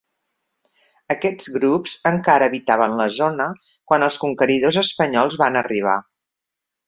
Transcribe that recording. Aquests grups encara habitaven la zona quan els conqueridors espanyols van arribar.